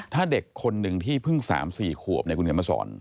ถ้าเด็กคนหนึ่งที่เพิ่ง๓๔ขวบคุณกำลังมาสอน